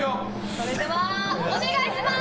それではお願いします。